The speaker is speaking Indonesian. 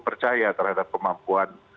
percaya terhadap kemampuan